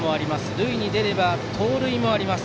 塁に出れば盗塁もあります。